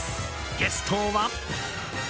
ゲストは。